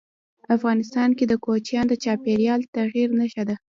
افغانستان کې کوچیان د چاپېریال د تغیر نښه ده.